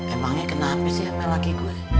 emangnya kena abis ya pak laki gue